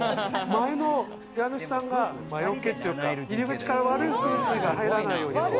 前の家主さんが魔よけっていうか入り口から悪い風水が入らないように。